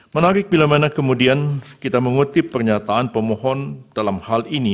menarik bila mana kemudian kita mengutip pernyataan pemohon dalam hal ini